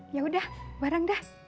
ya udah bareng dah